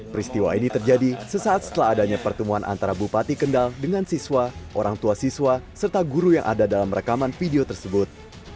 peristiwa ini terjadi sesaat setelah adanya pertemuan antara bupati kendal dengan siswa orang tua siswa serta guru yang ada dalam rekaman video tersebut